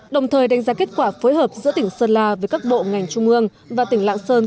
đồng thời đánh giá kết quả phối hợp giữa tỉnh sơn la với các bộ ngành trung ương và tỉnh lạng sơn